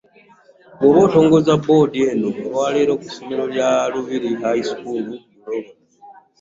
Bw'abadde atongoza Bboodi eno olwa leero ku ssomero lya Lubiri High School Buloba